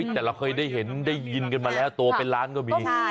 แต่เราเคยได้เห็นได้ยินกันมาแล้วตัวเป็นล้านก็มี